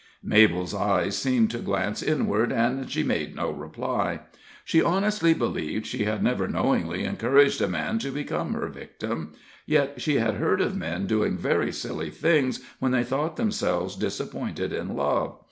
Mabel's eyes seemed to glance inward, and she made no reply. She honestly believed she had never knowingly encouraged a man to become her victim; yet she had heard of men doing very silly things when they thought themselves disappointed in love.